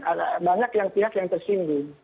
ada banyak yang pihak yang tersinggung